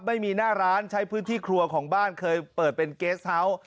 ไม่มีหน้าร้านใช้พื้นที่ครัวของบ้านเคยเปิดเป็นเกสเฮาส์